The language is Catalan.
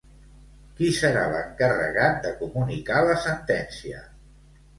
Qui serà l'encarregat de comunicar la sentència?